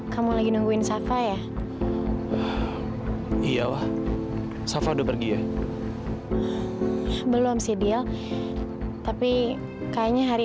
sampai jumpa di video selanjutnya